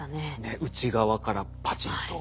ねっ内側からパチンと。